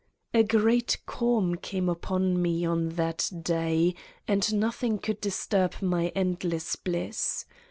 A great calm came upon Me on that day and nothing could disturb my endless bliss.